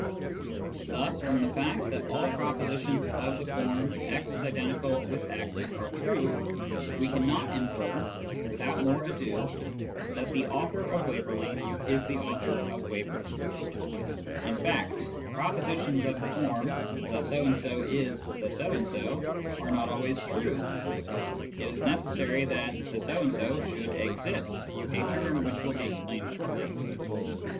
Thus from the fact that all propositions of the form " x=x " are true we cannot infer, without more ado, that the author of Waverley is the author of s Waverley. In fact, propositions of the form " the so and so is the so and so " are not always true : it is necessary that the so and so should exist (a term which will be explained shortly).